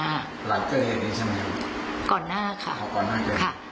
หลักเกิดอย่างนี้ใช่มั้ย